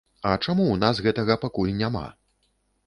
А чаму ў нас гэтага пакуль няма?